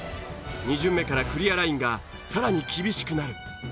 ２巡目からクリアラインがさらに厳しくなる。